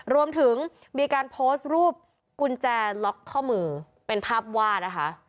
รวมถึงมีการโพสต์รูปกุญแจล็อกข้อมือเป็นภาพวาดนะคะ